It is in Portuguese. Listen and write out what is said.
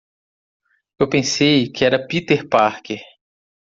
Eu pensei que era Peter Parker.